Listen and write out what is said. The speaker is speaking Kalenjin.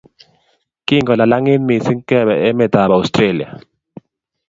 Kingolalangit mising kebe emetab Australia